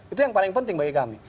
itu yang paling penting bagi kami